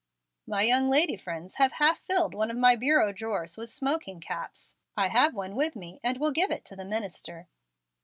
"My young lady friends have half filled one of my bureau drawers with smoking caps. I have one with me, and will give it to the minister."